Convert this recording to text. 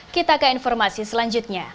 kita ke informasi selanjutnya